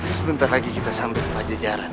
sebentar lagi kita sampai ke pajajaran